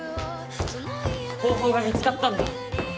方法が見つかったんだ！